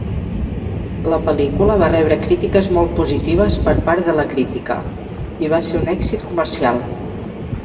La pel·lícula va rebre crítiques molt positives per part de la crítica i va ser un èxit comercial.